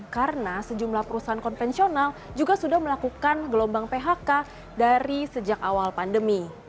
karena sejumlah perusahaan konvensional juga sudah melakukan gelombang phk dari sejak awal pandemi